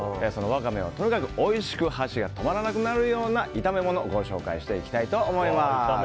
そのワカメをとにかくおいしく箸が止まらなくなるような炒め物をご紹介していきたいと思います。